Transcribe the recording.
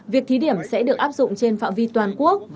việc thí điểm sẽ được áp dụng trên phạm vi toàn quốc